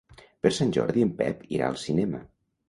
Per Sant Jordi en Pep irà al cinema.